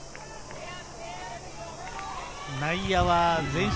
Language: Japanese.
内野は前進。